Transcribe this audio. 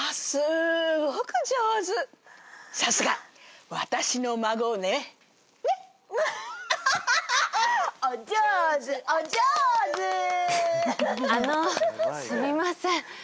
すみません。